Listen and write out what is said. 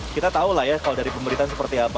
kita tahu lah ya kalau dari pemerintah seperti apa